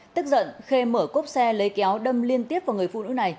tức giận khê mở cốp xe lấy kéo đâm liên tiếp vào người phụ nữ này